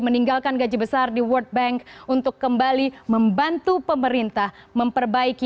meninggalkan gaji besar di world bank untuk kembali membantu pemerintah memperbaiki